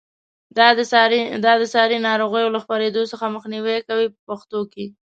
دا د ساري ناروغیو له خپرېدو څخه مخنیوی کوي په پښتو کې.